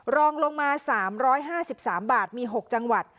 รองลงมา๓๕๓บาทมี๖จังหวัด